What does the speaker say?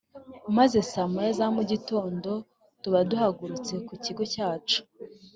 maze saa moya za mu gitondo tuba duhagurutse ku kigo cyacu.